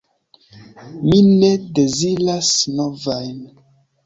Mi ne deziras novajn.